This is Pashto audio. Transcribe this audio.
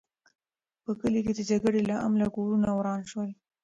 په کلي کې د جګړې له امله کورونه وران شول.